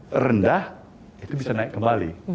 terendah itu bisa naik kembali